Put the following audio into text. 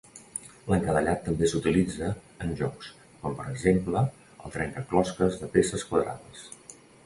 L'encadellat també s'utilitza en jocs, com per exemple el trencaclosques de peces quadrades.